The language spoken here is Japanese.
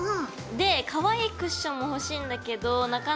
でかわいいクッションも欲しいんだけどなかなか見つからないのよ。